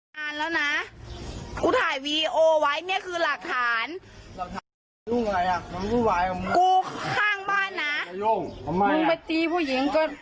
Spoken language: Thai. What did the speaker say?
ไหร่มันบอกมันจะไปไปกันค่ะ